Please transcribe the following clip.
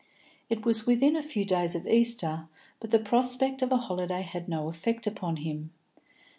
It was within a few days of Easter, but the prospect of a holiday had no effect upon him.